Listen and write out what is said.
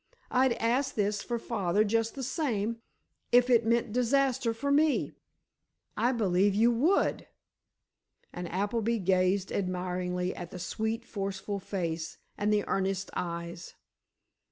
I'd ask this for father just the same, if it meant disaster for me!" "I believe you would!" and Appleby gazed admiringly at the sweet, forceful face, and the earnest eyes.